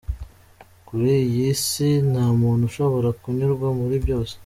Kuri iyi si nta muntu ushobora kunyurwa muri byose.